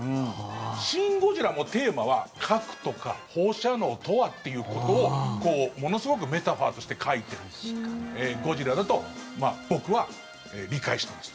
「シン・ゴジラ」もテーマは核とか放射能とはっていうことをものすごくメタファーとして書いてる「ゴジラ」だと僕は理解してます。